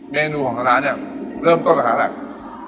เมนูของทางร้านเนี่ยเริ่มต้นราคาแรก